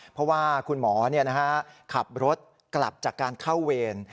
เพราะว่าคุณหมอขับรถกลับจากการเข้าเวร